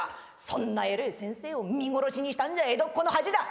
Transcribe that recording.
そんな偉え先生を見殺しにしたんじゃ江戸っ子の恥だ。